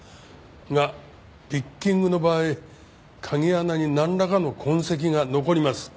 がピッキングの場合鍵穴になんらかの痕跡が残ります。